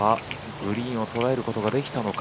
グリーンを捉えることができたのか。